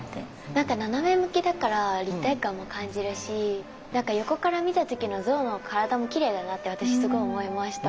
なんか斜め向きだから立体感も感じるし横から見た時の像の体もきれいだなって私すごい思いました